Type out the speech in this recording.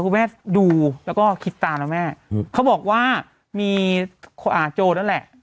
คุณแม่ดูแล้วก็คิดตานะแม่เขาบอกว่ามีโจนั่นแหละ